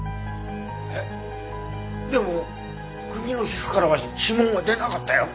えっでも首の皮膚からは指紋は出なかったよ。